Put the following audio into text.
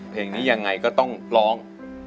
เพลงนี้ยังไงก็ต้องร้อง